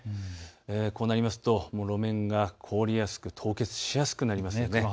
こうなると、路面が凍りやすく凍結しやすくなります。